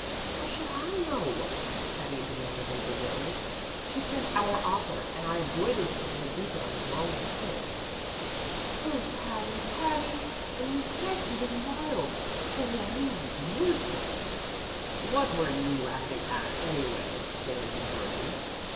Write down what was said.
"How should I know?" Patty demanded indignantly. "She said 'our author,' and I avoided specific details as long as I could." "Oh, Patty, Patty! and you said he was wild the lamblike Wordsworth!" "What were you laughing at, anyway?" demanded Georgie.